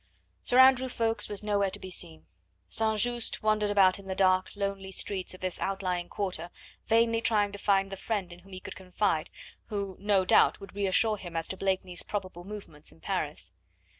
Sir Andrew Ffoulkes was nowhere to be seen. St. Just wandered about in the dark, lonely streets of this outlying quarter vainly trying to find the friend in whom he could confide, who, no doubt, would reassure him as to Blakeney's probable movements in Paris.